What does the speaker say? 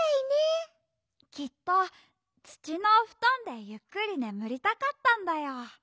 きっとつちのおふとんでゆっくりねむりたかったんだよ。